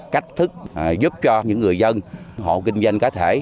cách thức giúp cho những người dân hộ kinh doanh cá thể